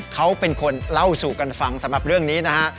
เขาเป็นคนเล่าสู่กันฟังสำหรับเรื่องนี้นะฮะ